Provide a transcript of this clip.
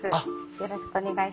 よろしくお願いします。